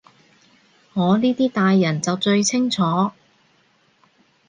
我呢啲大人就最清楚